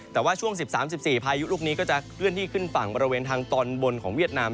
แต่ว่าช่วง๑๓๑๔พายุลูกนี้ก็จะเคลื่อนที่ขึ้นฝั่งบริเวณทางตอนบนของเวียดนาม